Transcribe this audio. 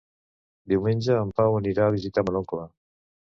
Diumenge en Pau anirà a visitar mon oncle.